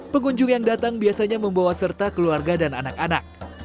pengunjung yang datang biasanya membawa serta keluarga dan anak anak